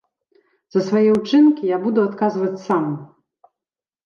За свае ўчынкі я буду адказваць сам!